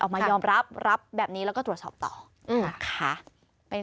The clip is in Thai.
ออกมายอมรับรับแบบนี้แล้วก็ตรวจสอบต่อนะคะ